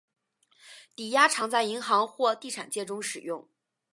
抵押常在银行或地产界中使用。